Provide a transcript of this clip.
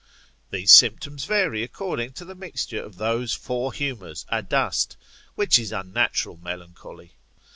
These symptoms vary according to the mixture of those four humours adust, which is unnatural melancholy.